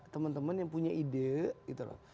teman teman yang punya ide